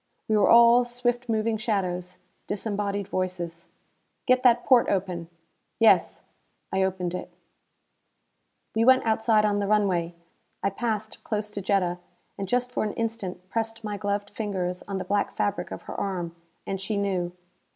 We were all swift moving shadows; disembodied voices. "Get that porte open." "Yes." I opened it. We went outside on the runway. I passed close to Jetta, and just for an instant pressed my gloved fingers on the black fabric of her arm and she knew.